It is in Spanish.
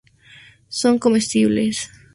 Son comestibles.